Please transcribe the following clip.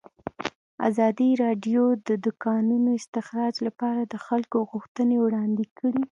ازادي راډیو د د کانونو استخراج لپاره د خلکو غوښتنې وړاندې کړي.